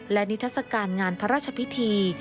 และนิทัศกาลงานพระราชพิธี